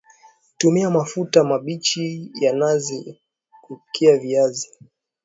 Tumia mafuta mabichi ya nazi klupikia viazi